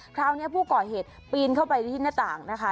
คราวนี้ผู้ก่อเหตุปีนเข้าไปที่หน้าต่างนะคะ